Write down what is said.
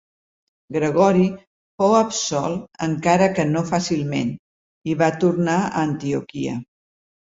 Gregori fou absolt encara que no fàcilment i va tornar a Antioquia.